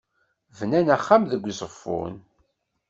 Bnan axxam deg Uzeffun?